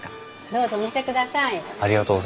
どうぞ見てください。